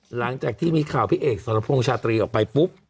หลังจากที่มีข่าวพี่เอกสรพงษ์ชาตรีออกไปปุ๊บ